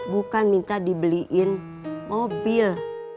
bukan minta dibeliin mobil